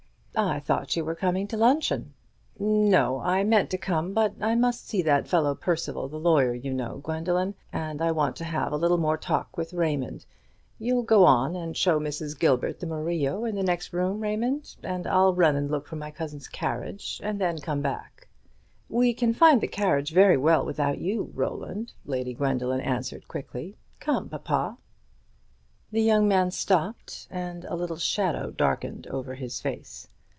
"I thought you were coming to luncheon." "No; I meant to come, but I must see that fellow Percival, the lawyer, you know, Gwendoline, and I want to have a little more talk with Raymond. You'll go on and show Mrs. Gilbert the Murillo in the next room, Raymond? and I'll run and look for my cousin's carriage, and then come back." "We can find the carriage very well without you, Roland," Lady Gwendoline answered quickly. "Come, papa." The young man stopped, and a little shadow darkened over his face.